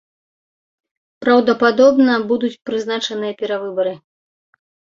Праўдападобна, будуць прызначаныя перавыбары.